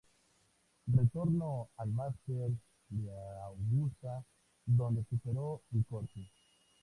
Retornó al Masters de Augusta, donde superó el corte.